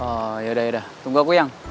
oh yaudah yaudah tunggu aku yang